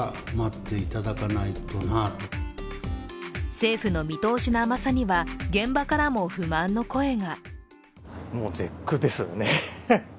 政府の見通しの甘さには現場からも不満の声が。